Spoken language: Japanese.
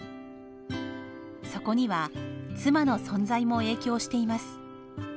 そこには妻の存在も影響しています。